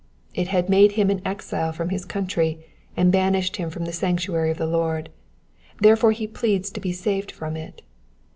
It had made him an exile from his country, and ^banished him from the sanctuary of the Lord : therefore he pleads to be saved from it.